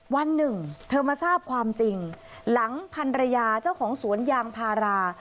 วันหนึ่งเธอมาทราบความจริงหลังพันรยาเจ้าของสวนยางพารา